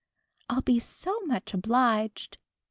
I'll be so much obliged."